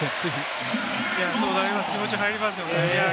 気持ち入りますよね。